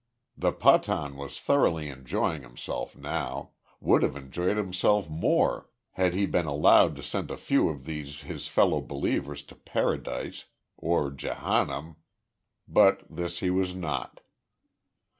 The Pathan was thoroughly enjoying himself now; would have enjoyed himself more, had he been allowed to send a few of these his fellow believers to Paradise or Jehanum but this he was not.